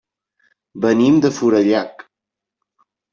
Venim de Forallac.